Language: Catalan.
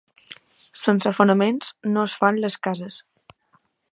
Sense fonaments no es fan les cases.